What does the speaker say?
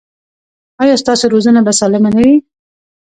ایا ستاسو روزنه به سالمه نه وي؟